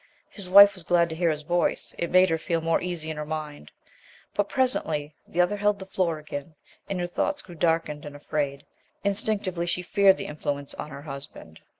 His wife was glad to hear his voice; it made her feel more easy in her mind. But presently the other held the floor again, and her thoughts grew darkened and afraid. Instinctively she feared the influence on her husband.